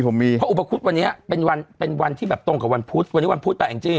ผมมีเพราะอุปกรุษวันนี้เป็นวันที่แบบตรงกับวันพุธวันนี้วันพุธต่างจริง